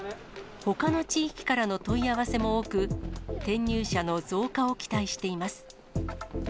ほかの地域からの問い合わせも多く、転入者の増加を期待しています。